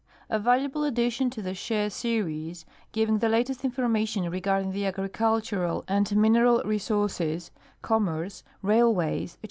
A valuable addition to the Chaix series, giving the latest information regarding the agricultural and mineral resources, commerce, railways,, etc.